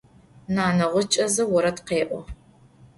Nane gıç'eze vored khê'o.